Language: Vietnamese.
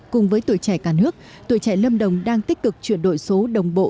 cùng với tuổi trẻ cả nước tuổi trẻ lâm đồng đang tích cực chuyển đổi số đồng bộ